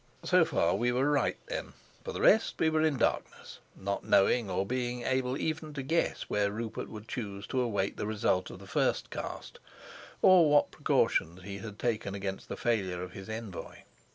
So far we were right, then; for the rest we were in darkness, not knowing or being able even to guess where Rupert would choose to await the result of the first cast, or what precautions he had taken against the failure of his envoy.